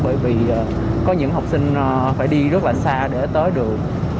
bởi vì có những học sinh phải đi rất là xa để tới đường